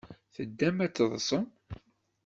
Teddam ad teḍḍsem.